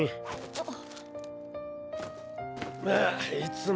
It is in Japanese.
あっ。